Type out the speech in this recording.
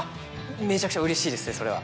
めちゃくちゃうれしいですねそれは。